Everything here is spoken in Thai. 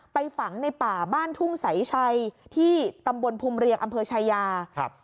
ฝังในป่าบ้านทุ่งสายชัยที่ตำบลภูมิเรียงอำเภอชายาครับ